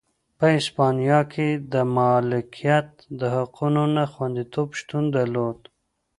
په هسپانیا کې د مالکیت د حقونو نه خوندیتوب شتون درلود.